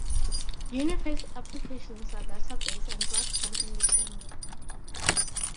Uniface applications are database- and platform-independent.